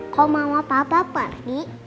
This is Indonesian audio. kau mama papa pergi